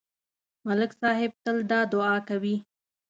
ملک صاحب تل دا دعا کوي.